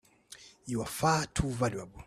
You're far too valuable!